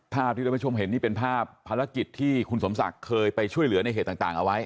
ภาพที่ท่านผู้ชมเห็นนี่เป็นภาพภารกิจที่คุณสมศักดิ์เคยไปช่วยเหลือในเหตุต่างเอาไว้